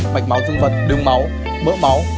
mạch máu dương vật đường máu mỡ máu